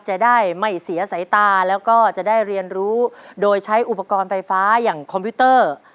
จะได้ไม่เสียสายตาแล้วก็จะได้เรียนรู้โดยใช้อุปกรณ์ไฟฟ้าอย่างคอมพิวเตอร์